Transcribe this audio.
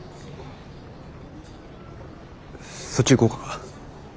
そっち行こうか？